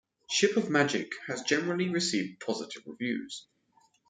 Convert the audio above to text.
"Ship of Magic" has generally received positive reviews.